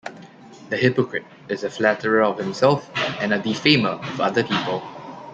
"The hypocrite is a flatterer of himself, and a defamer of other people".